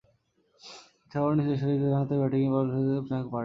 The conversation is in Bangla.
এছাড়াও, নিচেরসারিতে ডানহাতে ব্যাটিংয়ে পারদর্শীতা দেখিয়েছেন ফ্রাঙ্ক ওয়ার্ড।